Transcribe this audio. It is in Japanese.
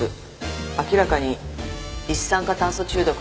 明らかに一酸化炭素中毒の所見ね。